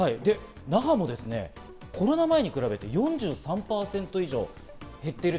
那覇もコロナ前に比べて４３％以上減っている。